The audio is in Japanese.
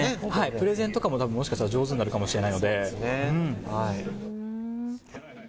プレゼンとかも上手になるかもしれないので。